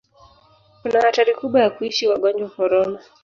kuna hatari kubwa ya kuishi wagonjwa korona